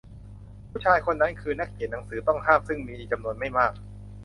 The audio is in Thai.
ผู้ชายคนนั้นคือนักเขียนหนังสือต้องห้ามซึ่งมีจำนวนไม่มาก